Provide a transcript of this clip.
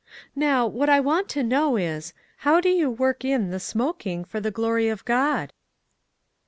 Now, what I want to know is, ' How do you work in the smok ing for the glory of God?'!